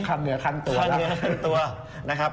คันเหนือคันตัว